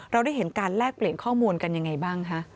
เราได้เห็นการแลกเปลี่ยนข้อมูลกันยังไงบ้างคะ